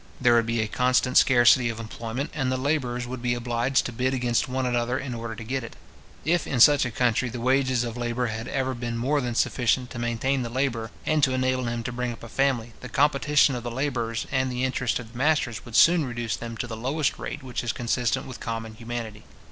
There would be a constant scarcity of employment, and the labourers would be obliged to bid against one another in order to get it. If in such a country the wages of labour had ever been more than sufficient to maintain the labourer, and to enable him to bring up a family, the competition of the labourers and the interest of the masters would soon reduce them to the lowest rate which is consistent with common humanity.